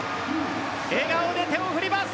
笑顔で手を振ります。